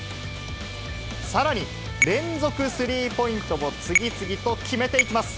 さらに、連続スリーポイントも次々と決めていきます。